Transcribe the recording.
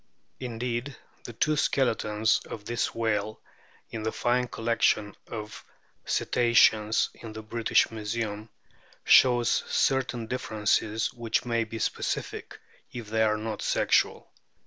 Indeed, the two skeletons of this whale in the fine collection of Cetaceans in the British i 4 2 A BOOK OF WHALES Museum show certain differences which may be specific, if they are not sexual.